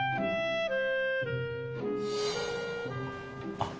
あっ